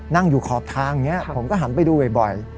นั่งอยู่ขอบทางอย่างนี้ผมก็หันไปดูบ่อย